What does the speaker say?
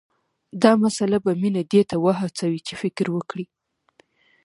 دا مسله به مينه دې ته وهڅوي چې فکر وکړي